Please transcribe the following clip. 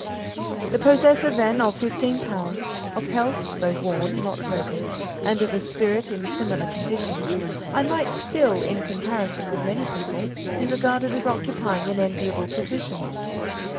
The possessor, then, of fifteen pounds; of health, though worn, not broken, and of a spirit in similar condition; I might still; in comparison with many people, be regarded as occupying an enviable position.